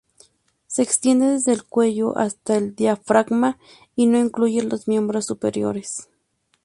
Se extiende desde el cuello hasta el diafragma y no incluye los miembros superiores.